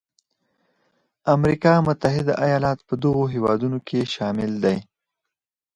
امریکا متحده ایالات په دغو هېوادونو کې شامل دی.